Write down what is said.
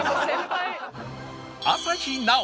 朝日奈央